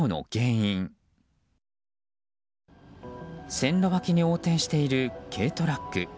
線路脇に横転している軽トラック。